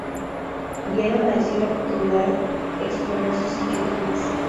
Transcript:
Vieron allí la oportunidad explorar sus inquietudes.